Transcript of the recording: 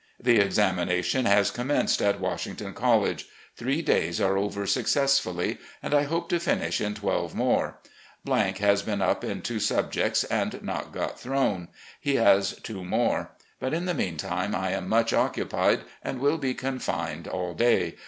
The examination has commenced at Washington College. Three days are over successfully, and I hope to finish in twelve more. has been up in two subjects, and not got thrown. He has two more. But, in the meantime, I am much occupied, and will be confined aU day.